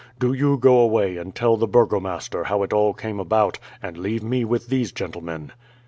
Do you go away and tell the burgomaster how it all came about, and leave me with these gentlemen."